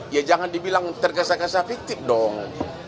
ya jangan dibilang tergesa gesa fitip dong